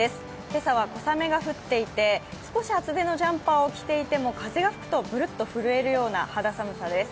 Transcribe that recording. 今朝は小雨が降っていて少し厚手のジャンパーを着ていても風が吹くとブルッと震えるような肌寒さです。